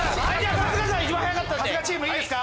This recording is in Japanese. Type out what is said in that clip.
春日チームいいですか？